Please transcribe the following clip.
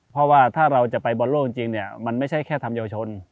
เพราะว่าถ้าเราจะไปบอลโลกจริงเนี่ยมันไม่ใช่แค่ทำเยาวชน